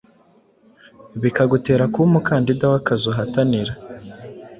bikagutera kuba umukandida wakazi uhatanira